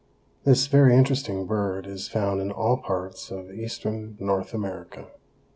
_) This very interesting bird is found in all parts of eastern North America.